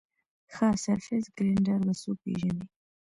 ښه سرفېس ګرېنډر به څوک پېژني ؟